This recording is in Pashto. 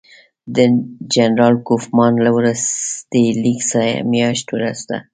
د جنرال کوفمان له وروستي لیک څه میاشت وروسته.